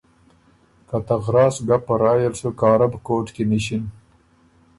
که ته غراس ګپ په رائ ال سُو کارب کوټ کی نِݭِن۔